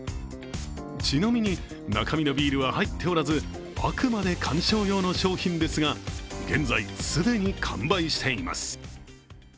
ちなみに中身のビールは入っておらず、あくまで観賞用の商品ですが、現在、既に完売しています。